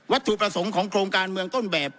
ถูกประสงค์ของโครงการเมืองต้นแบบ